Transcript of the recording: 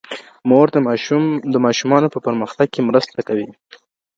مور د ماشومانو په پرمختګ کې مرسته کوي.